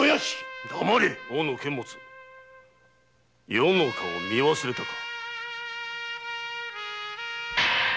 余の顔を見忘れたか。